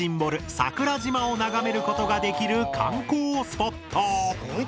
桜島を眺めることができる観光スポット。